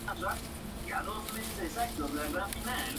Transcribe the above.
Gonzalo Hernández fue uno de los que salvaron la vida.